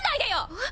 えっ？